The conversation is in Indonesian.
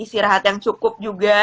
istirahat yang cukup juga